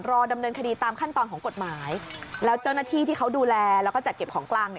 รอดำเนินคดีตามขั้นตอนของกฎหมายแล้วเจ้าหน้าที่ที่เขาดูแลแล้วก็จัดเก็บของกลาง